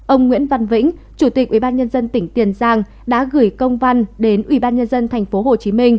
ông nguyễn văn vĩnh chủ tịch ủy ban nhân dân tỉnh tiền giang đã gửi công văn đến ủy ban nhân dân tp hcm